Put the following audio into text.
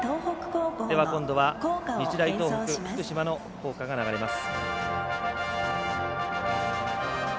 今度は、日大東北福島の校歌が流れます。